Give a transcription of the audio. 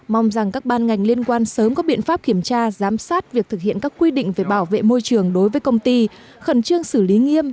mong rằng các ban ngành liên quan sớm có biện pháp kiểm tra giám sát việc thực hiện các quy định về bảo vệ môi trường đối với công ty khẩn trương xử lý nghiêm